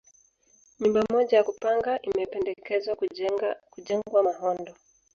Nyumba moja ya kupanga imependekezwa kujengwa Mahondo